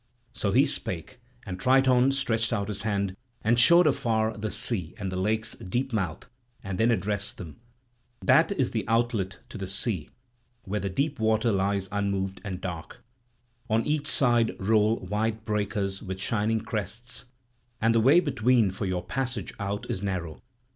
So he spake; and Triton stretched out his hand and showed afar the sea and the lake's deep mouth, and then addressed them: "That is the outlet to the sea, where the deep water lies unmoved and dark; on each side roll white breakers with shining crests; and the way between for your passage out is narrow.